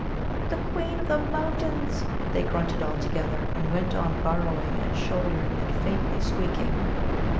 "The Queen of the Mountains," they grunted all together; and went on burrowing, and shouldering, and faintly squeaking.